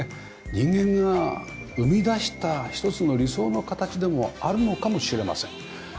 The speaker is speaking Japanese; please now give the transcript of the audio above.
人間が生み出した一つの理想の形でもあるのかもしれません。